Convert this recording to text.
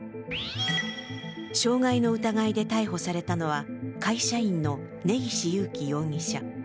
傷害の疑いで逮捕されたのは会社員の根岸優貴容疑者。